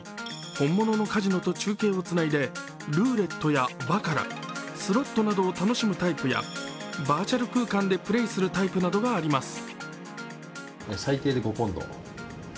本物のカジノと中継をつないでルーレットやバカラスロットなどを楽しむタイプやバーチャル空間で楽しむタイプなどがあります。